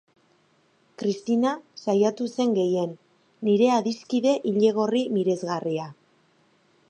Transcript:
Kristina saiatu zen gehien, nire adiskide ilegorri miresgarria.